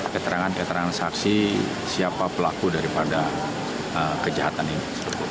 keterangan keterangan saksi siapa pelaku daripada kejahatan ini